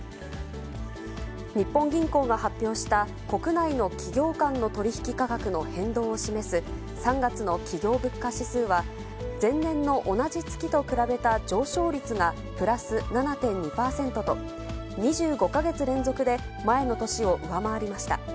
日本銀行が発表した国内の企業間の取り引き価格の変動を示す、３月の企業物価指数は、前年の同じ月と比べた上昇率がプラス７．２％と、２５か月連続で前の年を上回りました。